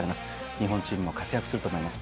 日本チームも活躍すると思います。